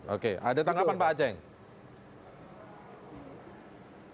oke ada tanggapan pak aceh fikri